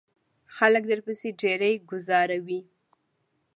خلک درپسې ډیری گوزاروي.